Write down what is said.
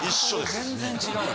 全然違うよ。